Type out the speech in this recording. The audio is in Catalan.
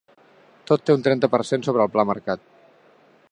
Tot té un trenta per cent sobre el pla marcat.